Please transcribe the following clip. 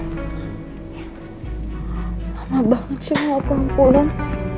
lama banget sih mau pulang pulang